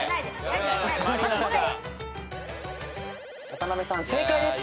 渡辺さん正解です。